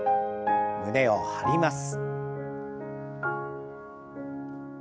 胸を張ります。